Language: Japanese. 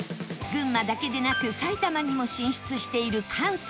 群馬だけでなく埼玉にも進出している ＫＡＮＳＡＩ